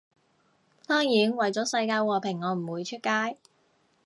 當然，為咗世界和平我唔會出街